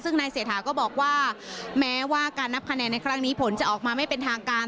ซึ่งนายเศรษฐาก็บอกว่าแม้ว่าการนับคะแนนในครั้งนี้ผลจะออกมาไม่เป็นทางการ